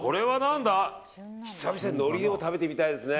久々にのりを食べてみたいですね。